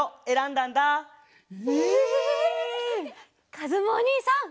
かずむおにいさん。